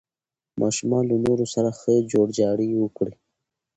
ماشومان له نورو سره ښه جوړجاړی وکړي.